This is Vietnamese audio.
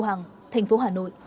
chị hằng thành phố hà nội